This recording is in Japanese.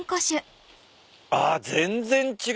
あっ全然違う。